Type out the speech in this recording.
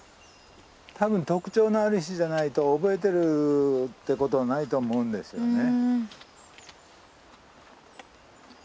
多分特徴のある石じゃないと覚えてるってことはないと思うんですよね。